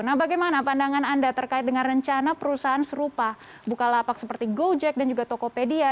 nah bagaimana pandangan anda terkait dengan rencana perusahaan serupa bukalapak seperti gojek dan juga tokopedia